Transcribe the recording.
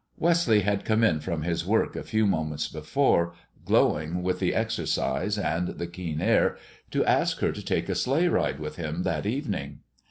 Wesley had come in from his work a few moments before, glowing with the exercise and the keen air, to ask her to take a sleigh ride with him that evening.